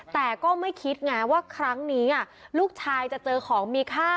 แต่ก็ไม่คิดไงว่าครั้งนี้ลูกชายจะเจอของมีค่า